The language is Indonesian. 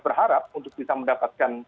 berharap untuk bisa mendapatkan